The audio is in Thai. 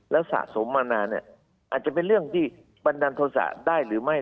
แล้วสะสมมานานเนี่ยอาจจะเป็นเรื่องที่บันดาลโทษะได้หรือไม่